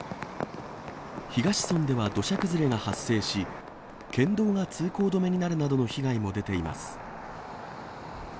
東村では土砂崩れが発生し、県道が通行止めになるなどの被害も出ています。